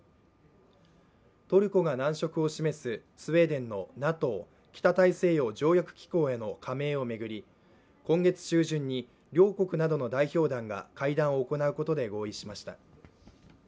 トルコが難色を示すスウェーデンのＮＡＴＯ＝北大西洋条約機構への加盟を巡り、今月中旬に両国などの代表団が会談を行うことで合意しました。